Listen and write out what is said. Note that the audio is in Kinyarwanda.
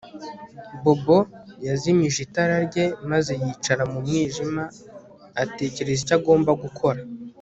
Bobo yazimije itara rye maze yicara mu mwijima atekereza icyo agomba gukora